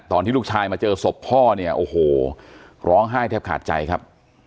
ตอนที่ลูกชายมาเจอศพพ่อเนี่ยโอ้โหร้องไห้แทบขาดใจครับ